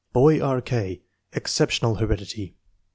Boy: R. K. Exceptional heredity.